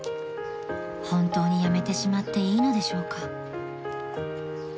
［本当に辞めてしまっていいのでしょうか］